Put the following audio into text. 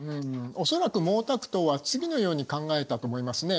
おそらく毛沢東は次のように考えたと思いますね。